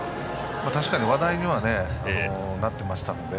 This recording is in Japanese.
確かに話題にはなってましたので。